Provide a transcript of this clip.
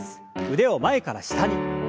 腕を前から下に。